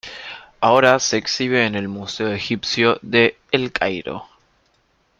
Ahora se exhibe en el Museo Egipcio de El Cairo.